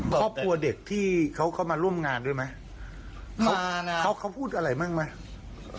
ครอบครัวเด็กที่เขาเข้ามาร่วมงานด้วยไหมเขาเขาพูดอะไรบ้างไหม